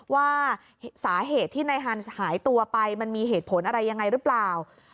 ว่าสาเหตุที่นายฮันส์หายตัวไปมันมีเหตุผลอะไรยังไงหรือเปล่า